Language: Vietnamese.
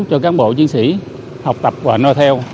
cho cán bộ chiến sĩ học tập và nôi theo